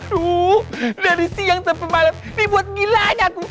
duh dari siang sampai malam dibuat gilanya aku